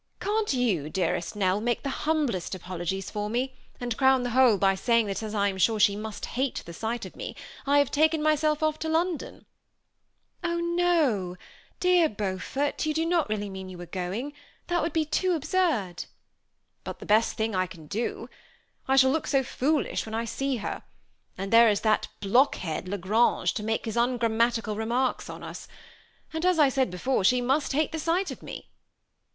Can't jim, dear est Nell, make the hamblest apologies for me, and crown the whole by sajing, that as I am sure she must hate the sight of me, I have taken myself off to London ?"^ Oh, no ! dear Beaofort, yon do not really mean you are gving ? that wonld be too absurd." ^ Bat the best thing I can do. I shall look so foolish when I see her ; and there is that blockhead, La Grange, to make his ongrammarical remarks on as ; and, as I said before, she mast hate the sight of me."